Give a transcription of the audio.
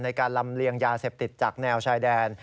ในการลำเลียงยาเสพติดจากแนวชายแดน